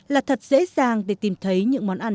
là thật dễ dàng để tìm thấy những món ăn